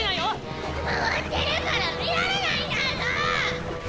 回ってるから見られないんだゾ！